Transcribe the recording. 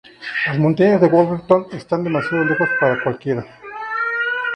Las Montañas Warburton estaban demasiado lejos para cualquiera.